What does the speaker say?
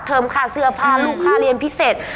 ค่าเสื้อผ้าลูกค่าเรียนพิเศษ